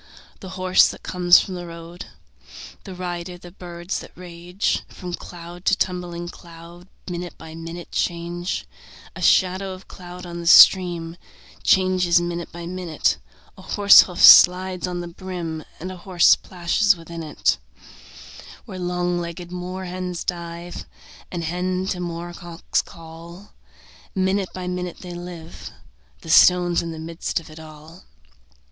The horse that comes from the road. The rider, the birds that range From cloud to tumbling cloud, Minute by minute change; A shadow of cloud on the stream Changes minute by minute; A horse hoof slides on the brim, And a horse plashes within it Where long legged moor hens dive, And hens to moor cocks call. Minute by minute they live: The stone's in the midst of all.